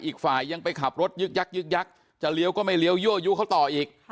อีกฝ่ายยังไปขับรถยึกยักยึกยักจะเลี้ยวก็ไม่เลี้ยวยั่วยู้เขาต่ออีก